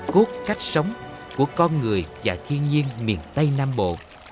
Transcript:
cốt cách sống của con người và thiên nhiên miền tây nam bộ